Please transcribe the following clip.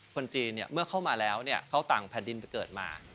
คนจีนเมื่อเข้ามาแล้วเขาต่างแผ่นดินไปเกิดมา